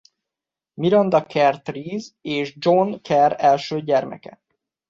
Miranda Kerr Therese és John Kerr első gyermeke.